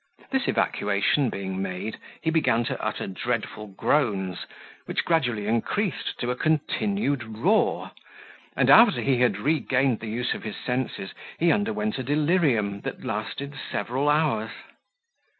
This evacuation being made, he began to utter dreadful groans, which gradually increased to a continued roar; and, after he had regained the use of his senses, he underwent a delirium that lasted several hours.